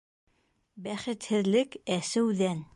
Бәхетһеҙлек әсеүҙән